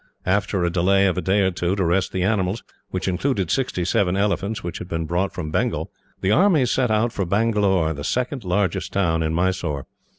After a delay of a day or two, to rest the animals, which included sixty seven elephants which had been brought from Bengal, the army set out for Bangalore, the second largest town in Mysore.